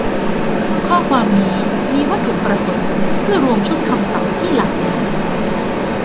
ข้อความนี้มีวัตถุประสงค์เพื่อรวมชุดคำศัพท์ที่หลากหลาย